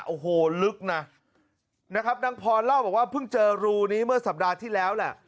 โอ้โหลึกนะนะครับนางพรเล่าบอกว่าเพิ่งเจอรูนี้เมื่อสัปดาห์ที่แล้วแหละ